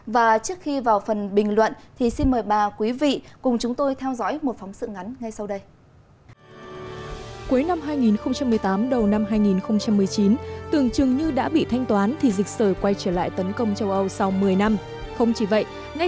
và trước khi vào phần bình luận thì xin mời bà quý vị cùng chúng tôi theo dõi một phóng sự ngắn ngay sau đây